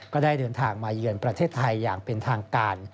ก็ได้เดินทางมาเยือนประเทศไทยอย่างเป็นทางการ